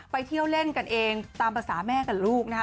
ไปเที่ยวเล่นกันเองตามภาษาแม่กับลูกนะคะ